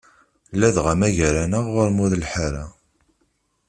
Ladɣa ma gar-aneɣ ɣur-m ur leḥḥu ara.